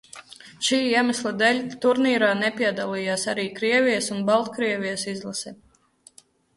Šī iemesla dēļ turnīrā nepiedalījās arī Krievijas un Baltkrievijas izlase.